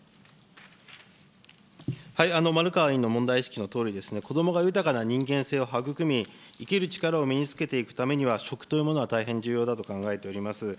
丸川委員の問題意識のとおりですね、こどもが豊かな人間性を育み、生きる力を身につけていくためには、食というものは大変重要だと考えております。